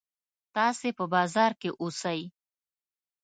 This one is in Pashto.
تاسې په بازار کې اوسئ.